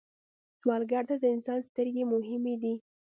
سوالګر ته د انسان سترګې مهمې دي